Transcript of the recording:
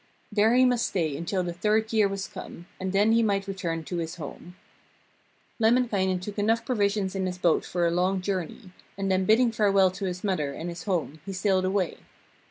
There he must stay until the third year was come, and then he might return to his home. Lemminkainen took enough provisions in his boat for a long journey, and then bidding farewell to his mother and his home he sailed away.